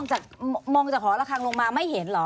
หอหลักทางลงมาไม่เห็นหรอ